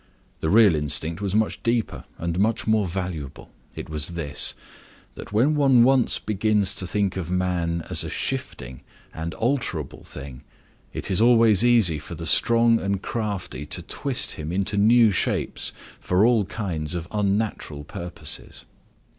The real instinct was much deeper and much more valuable. It was this: that when once one begins to think of man as a shifting and alterable thing, it is always easy for the strong and crafty to twist him into new shapes for all kinds of unnatural purposes.